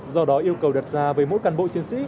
do đó yêu cầu đặt ra với mỗi cán bộ chiến sĩ